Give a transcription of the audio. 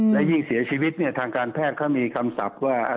และยิ่งเสียชีวิตเนี่ยทางการแพทย์เขามีคำศัพท์ว่า